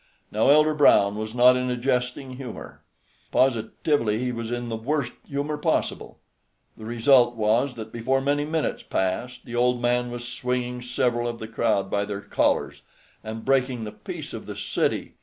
Now Elder Brown was not in a jesting humor. Positively he was in the worst humor possible. The result was that before many minutes passed the old man was swinging several of the crowd by their collars, and breaking the peace of the city.